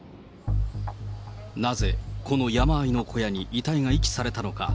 なぜ、この山あいの小屋に遺体が遺棄されたのか。